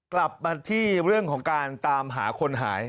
กลับมาที่เรื่องของการตามหาคนหาย